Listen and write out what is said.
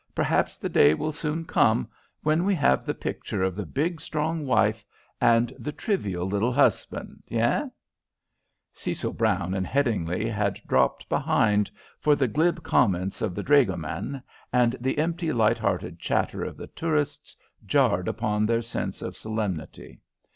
Perhaps the day will soon come when we have the picture of the big, strong wife and the trivial little husband hein?" Cecil Brown and Headingly had dropped behind, for the glib comments of the dragoman, and the empty, light hearted chatter of the tourists jarred upon their sense of solemnity.